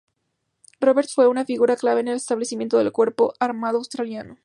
Robertson fue una figura clave en el establecimiento del Cuerpo Armado Australiano.